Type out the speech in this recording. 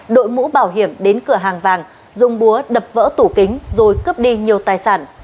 đội mũ bảo hiểm đến cửa hàng vàng dùng búa đập vỡ tủ kính rồi cướp đi nhiều tài sản